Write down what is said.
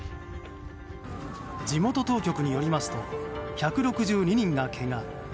地元当局によりますと１６２人がけが。